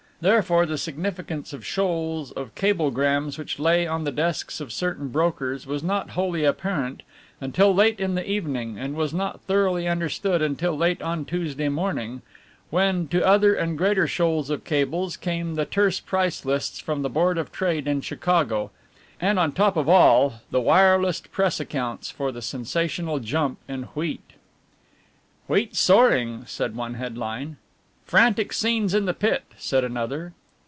Therefore the significance of shoals of cablegrams which lay on the desks of certain brokers was not wholly apparent until late in the evening, and was not thoroughly understood until late on Tuesday morning, when to other and greater shoals of cables came the terse price lists from the Board of Trade in Chicago, and on top of all the wirelessed Press accounts for the sensational jump in wheat. "Wheat soaring," said one headline. "Frantic scenes in the Pit," said another.